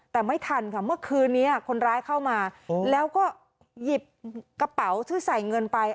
แต่ไม่ทันค่ะเมื่อคืนนี้คนร้ายเข้ามาแล้วก็หยิบกระเป๋าที่ใส่เงินไป